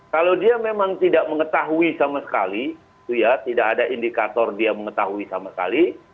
kalau dia memang tidak mengetahui sama sekali tidak ada indikator dia mengetahui sama sekali